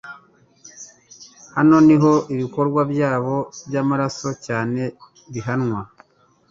Hano niho ibikorwa byabo byamaraso cyane bihanwa